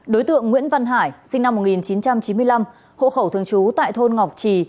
đối tượng nguyễn văn hải sinh năm một nghìn chín trăm chín mươi năm hộ khẩu thường trú tại thôn ngọc trì